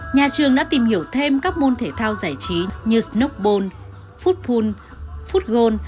nhà trường đã tìm hiểu thêm các môn thể thao giải trí như snowboard football football